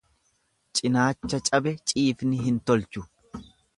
Cinaacha cabe ciifni hin tolchu.